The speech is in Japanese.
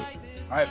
はい。